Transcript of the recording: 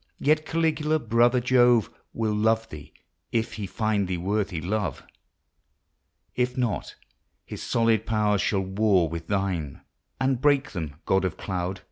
Yet Caligula, brother Jove, Will love thee if he find thee worthy love; If not, his solid powers shall war with thine And break them, God of Cloud.